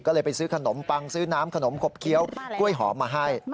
ก็เลยไปซื้อขนมปังซื้อน้ำขนมขบเคี้ยวกล้วยหอมมาให้